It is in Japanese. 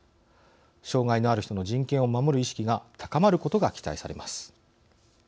障害のある人の人権を守る意識が高まることが期待されます。